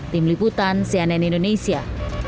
tim liputan cnn indonesia